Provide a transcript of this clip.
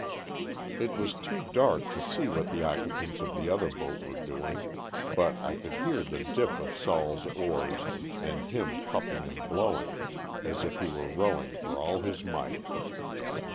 It was too dark to see what the occu 53 Stories from the Adirondack*. pants of the other boat were doing, but I could hear the dip of "Sol's" oars and him puffing and blowing as if he were rowing for all his might.